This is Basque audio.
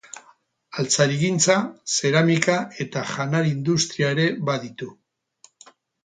Altzarigintza, zeramika eta janari industria ere baditu.